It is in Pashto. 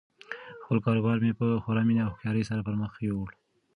خپل کاروبار مې په خورا مینه او هوښیاري سره پرمخ یووړ.